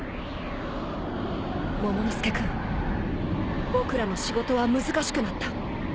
モモの助君僕らの仕事は難しくなった。